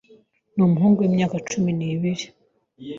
ni umuhungu w’imyaka cumi nibiri